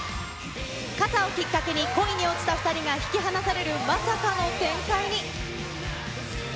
傘をきっかけに恋に落ちた２人が引き離されるまさかの展開に。